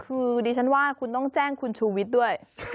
คือดิฉันว่าคุณต้องแจ้งคุณชูวิทย์ด้วย